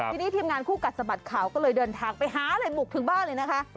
ทีนี้ทีมงานคู่กัดสะบัดข่าวก็เลยเดินทางไปหาเลยบุกถึงบ้านเลยนะคะ